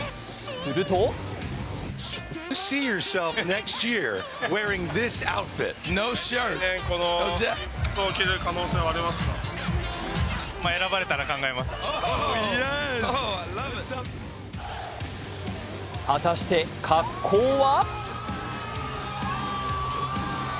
すると果たして格好は？